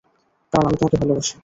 কারণ আমি তোমাকে ভালোবাসি।